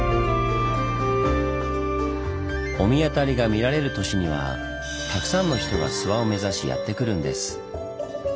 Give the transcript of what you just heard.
御神渡りが見られる年にはたくさんの人が諏訪を目指しやって来るんです。